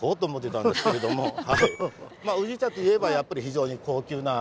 まあ宇治茶といえばやっぱり非常に高級な感じですよね。